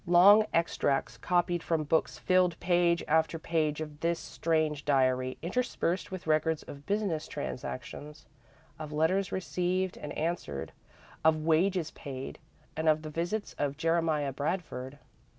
Long extracts copied from books filled page after page of this strange diary, interspersed with records of business transactions, of letters received and answered, of wages paid, and of the visits of Jeremiah Bradford.